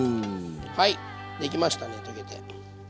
はいできましたね溶けて。